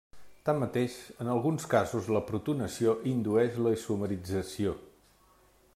Tanmateix en alguns casos la protonació indueix la isomerització.